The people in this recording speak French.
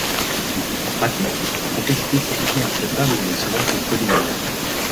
En pratique, la complexité physiquement acceptable n'est souvent que polynomiale.